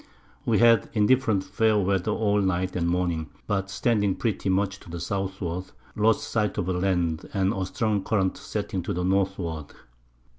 We had indifferent fair Weather all Night and Morning, but standing pretty much to the Southward, lost Sight of the Land, a strong Current setting to the Northward.